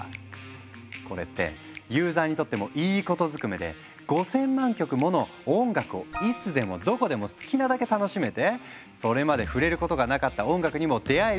これってユーザーにとってもいいことずくめで５，０００万曲もの音楽をいつでもどこでも好きなだけ楽しめてそれまで触れることがなかった音楽にも出会えるっていう画期的な話。